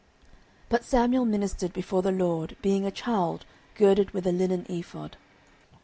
09:002:018 But Samuel ministered before the LORD, being a child, girded with a linen ephod.